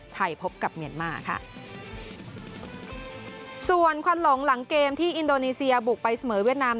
พบกับเมียนมาค่ะส่วนควันหลงหลังเกมที่อินโดนีเซียบุกไปเสมอเวียดนาม